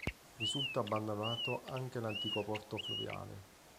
Risulta abbandonato anche l'antico porto fluviale.